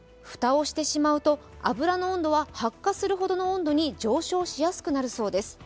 蓋をしてしまうと油の温度は発火するほどの温度に上昇しやすくなるそうです。